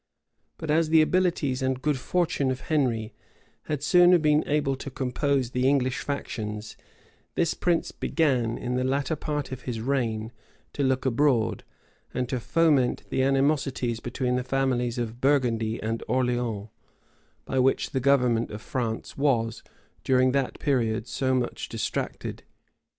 But as the abilities and good fortune of Henry had sooner been able to compose the English factions, this prince began, in the latter part of his reign, to look abroad, and to foment the animosities between the families of Burgundy and Orleans, by which the government of France was, during that period, so much distracted.